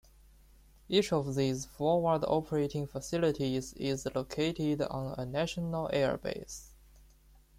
Each of these forward operating facilities is located on a national airbase.